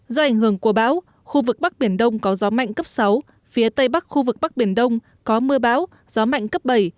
do ảnh hưởng của bão khu vực bắc biển đông có gió mạnh cấp sáu phía tây bắc khu vực bắc biển đông có mưa bão gió mạnh cấp bảy